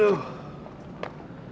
aku juga anak pejabat